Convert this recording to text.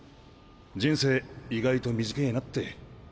人生意外と短ぇなって。